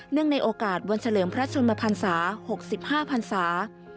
เนื่องในโอกาสวันเฉลิมพระชมพรรษา๖๕พรรษา